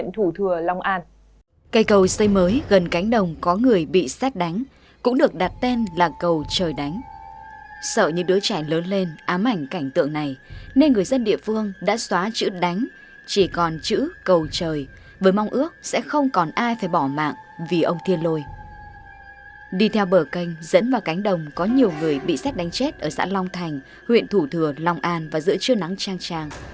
nhà bờ canh dẫn vào cánh đồng có nhiều người bị xét đánh chết ở xã long thành huyện thủ thừa long an và giữa trưa nắng trang tràng